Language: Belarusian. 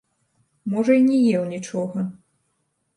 Можа й не еў нічога.